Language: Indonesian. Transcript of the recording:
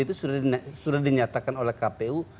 itu sudah dinyatakan oleh kpu